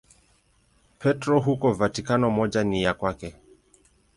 Petro huko Vatikano, moja ni ya kwake.